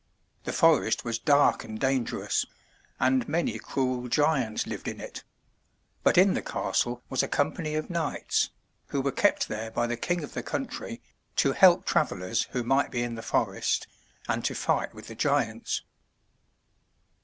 The forest was dark and dangerous, and many cruel giants lived in it; but in the castle was a company of knights, who were kept there by the king of the country, to help travelers who might be in the forest, and to fight with the giants.